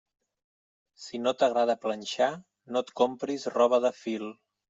Si no t'agrada planxar, no et compris roba de fil.